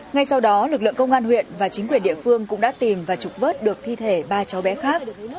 ngay sau đó lực lượng công an huyện và chính quyền địa phương cũng đã tìm và trục vớt được thi thể ba cháu bé khác